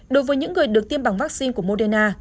đối với những người được tiêm bằng vaccine của moderna